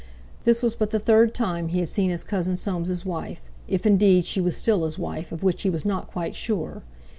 This was but the third time he had seen his cousin Soames' wife—if indeed she was still his wife, of which he was not quite sure.